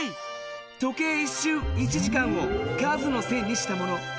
時計１しゅう１時間を数の線にしたもの。